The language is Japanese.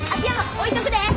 置いとくで。